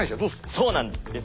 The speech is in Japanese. そうなんです。